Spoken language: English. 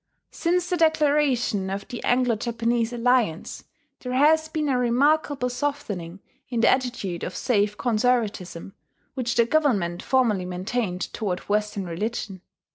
Since the declaration of the Anglo Japanese alliance, there has been a remarkable softening in the attitude of safe conservatism which the government formerly maintained toward Western religion....